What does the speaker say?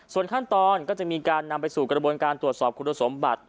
ส่วนขั้นตอนก็จะมีการนำไปสู่กระบวนการตรวจสอบคุณสมบัติ